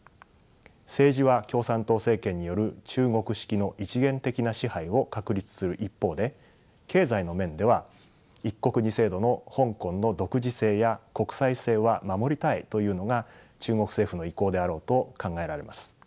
政治は共産党政権による中国式の一元的な支配を確立する一方で経済の面では「一国二制度」の香港の独自性や国際性は守りたいというのが中国政府の意向であろうと考えられます。